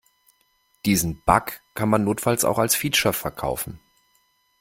Diesen Bug kann man notfalls auch als Feature verkaufen.